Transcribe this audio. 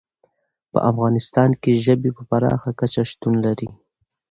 په افغانستان کې ژبې په پراخه کچه شتون لري.